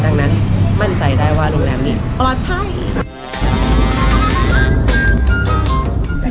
ดังนั้นมั่นใจได้ว่าโรงแรมนี้ปลอดภัย